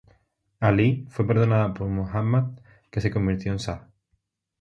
Ali fue perdonado por Muhammad, que se convirtió en Sah.